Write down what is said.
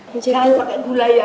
jangan pakai gula ya